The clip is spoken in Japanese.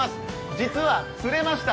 実は釣れました。